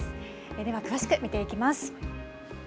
では詳しく見ていきます。